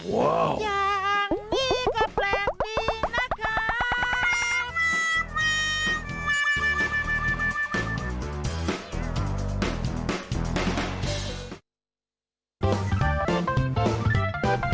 อย่างนี้ก็แปลกดีนะครับ